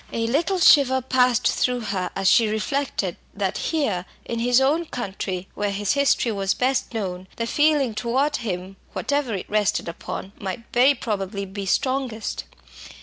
A little shiver passed through her as she reflected that here, in his own country, where his history was best known, the feeling towards him, whatever it rested upon, might very probably be strongest.